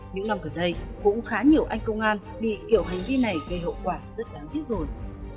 những năm gần đây cũng khá nhiều anh công an bị kiểu hành vi này gây hậu quả rất đáng tiếc rồi